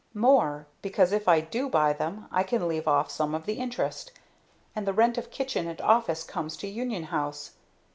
More; because if I do buy them I can leave off some of the interest, and the rent of kitchen and office comes to Union House!